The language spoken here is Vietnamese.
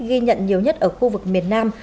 ghi nhận nhiều nhất ở khu vực miền nam